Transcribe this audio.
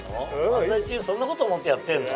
漫才中そんなこと思ってやってんの？